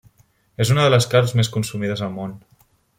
És una de les carns més consumides al món.